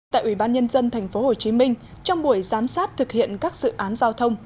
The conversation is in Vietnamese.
tại ủy ban nhân dân tp hcm trong buổi giám sát thực hiện các dự án giao thông